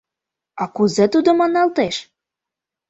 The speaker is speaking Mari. — А кузе тудо маналтеш?